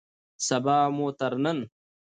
سبا مو تر نن